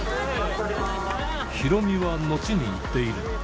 ヒロミは後に言っている。